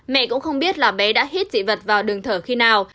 mẹ cũng không biết là bé đã hít dị vật vào đường thở khi nào